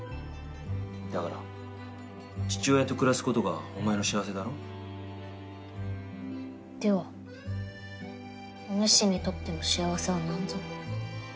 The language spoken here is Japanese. だから父親と暮らす事がお前の幸せだろ？ではおぬしにとっての幸せはなんぞ？